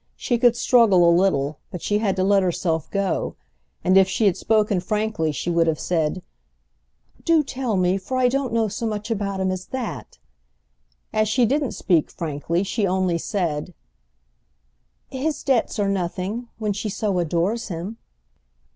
She could struggle a little, but she had to let herself go; and if she had spoken frankly she would have said: "Do tell me, for I don't know so much about him as that!" As she didn't speak frankly she only said: "His debts are nothing—when she so adores him."